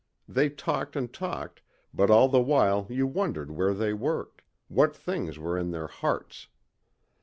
They talked and talked but all the while you wondered where they worked, what things were in their hearts.